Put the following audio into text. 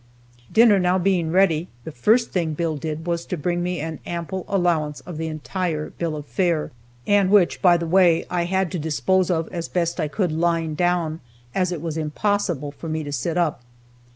Dinner now being ready, the first thing Bill did was to bring me an ample allowance of the entire bill of fare, and which, by the way, I had to dispose of as best I could lying down, as it was impossible for me to sit up.